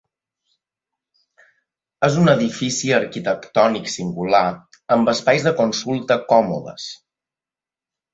És un edifici arquitectònic singular, amb espais de consulta còmodes.